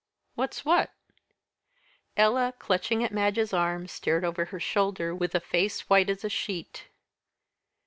"What's what?" Ella, clutching at Madge's arm, stared over her shoulder with a face white as a sheet.